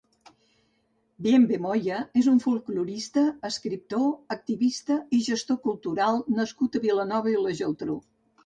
Bienve Moya és un folklorista, escriptor, activista i gestor cultural nascut a Vilanova i la Geltrú.